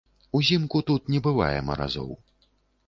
Узімку тут не бывае маразоў.